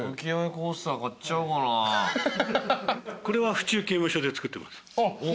これは府中刑務所で作ってます。